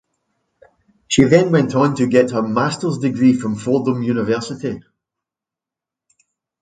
She then went on to get her Master’s degree from Fordham University.